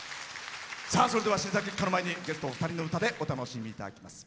それでは審査結果の前にゲストお二人の歌でお楽しみいただきます。